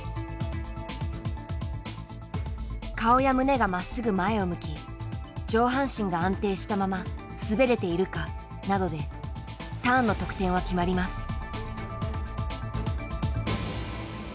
顔や胸がまっすぐ前を向き上半身が安定したまま滑れているかなどでターンの得点は決まります。